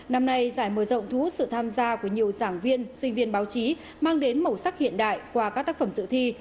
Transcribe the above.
năm nay giải mở rộng thú sự tham gia của nhiều giảng viên sinh viên báo chí mang đến màu sắc hiện đại qua các tác phẩm sự thi